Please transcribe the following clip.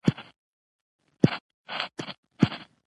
زه د زړه سم خو له دماغو ډېر خراب یم پام کوه!